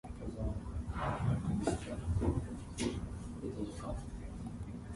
Two communities within Jackson Township are Chase and Huntsville.